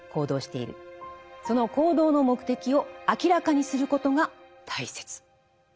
その行動の目的を明らかにすることが大切。